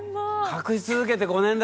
隠し続けて５年だって。